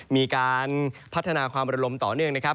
มีการพัฒนาความบริลมต่อเนื่อง